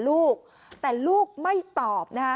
กลุ่มตัวเชียงใหม่